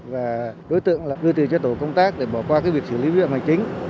và đối tượng là đưa tiền cho tổ công tác để bỏ qua cái việc xử lý vi phạm hành chính